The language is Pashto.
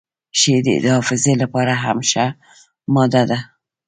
• شیدې د حافظې لپاره هم ښه ماده ده.